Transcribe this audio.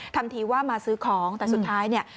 ทำทีว่ามาซื้อของแต่สุดท้ายเนี่ย